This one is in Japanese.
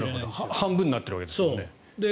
半分になっているわけですもんね。